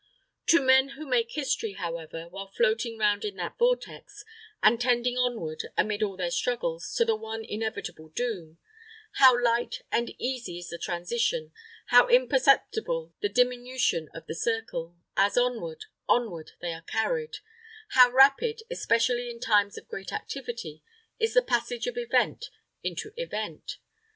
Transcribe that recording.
To men who make history, however, while floating round in that vortex, and tending onward, amid all their struggles, to the one inevitable doom, how light and easy is the transition, how imperceptible the diminution of the circle, as onward, onward they are carried how rapid, especially in times of great activity, is the passage of event into event.